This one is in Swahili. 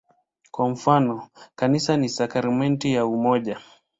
Kwa mfano, "Kanisa ni sakramenti ya umoja".